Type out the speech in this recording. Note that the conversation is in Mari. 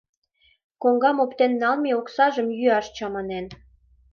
Коҥгам оптен налме оксажым йӱаш чаманен.